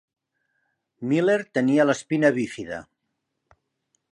Miller tenia l'espina bífida.